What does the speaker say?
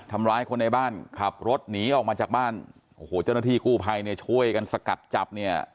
ทำร้ายคนในบ้านขับรถหนีออกมาจากบ้านโอ้โหเจ้าหน้าที่กู้ภัยเนี่ยช่วยกันสกัดจับเนี่ย